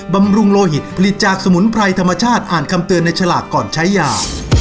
บำรุงโลหิตผลิตจากสมุนไพรธรรมชาติอ่านคำเตือนในฉลากก่อนใช้ยา